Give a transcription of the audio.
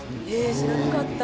知らなかった。